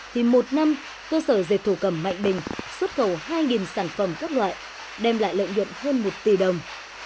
thì một năm cơ sở dệt thổ cầm mạnh bình xuất khẩu hai sản phẩm các loại đem lại lợi nhuận hơn một tỷ đồng